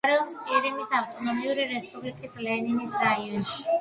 მდებარეობს ყირიმის ავტონომიური რესპუბლიკის ლენინის რაიონში.